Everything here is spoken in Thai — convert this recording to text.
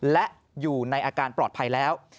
และอยู่ในอาการปลอดภัยแล้ว